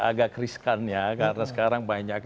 agak riskan ya karena sekarang banyak